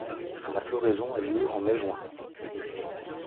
La floraison a lieu en mai-juin.